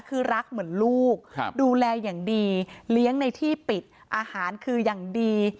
คือรักเหมือนลูกดูแลอย่างดีเลี้ยงในที่ปิดอาหารคืออย่างดี